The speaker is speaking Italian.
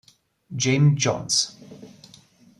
James Jones